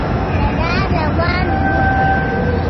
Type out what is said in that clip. کرار روان و.